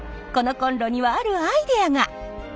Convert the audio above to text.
このコンロにはあるアイデアが？